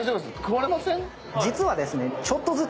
実はですね。